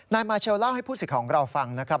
นายมาเชลเล่าให้ผู้สิทธิ์ของเราฟังนะครับ